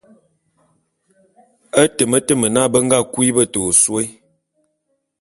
E temetem na, be nga kui beta ôsôé.